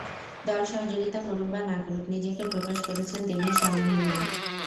দল সহযোগিতা করুক বা না করুক নিজেকে প্রকাশ করেছেন তিনি স্ব-মহিমায়।